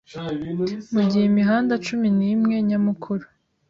mugihe imihanda cumi nimwe nyamukuru